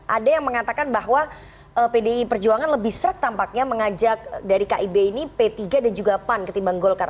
ada yang mengatakan bahwa pdi perjuangan lebih serak tampaknya mengajak dari kib ini p tiga dan juga pan ketimbang golkar